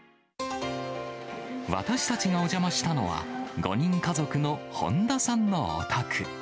私たちがお邪魔したのは、５人家族の本田さんのお宅。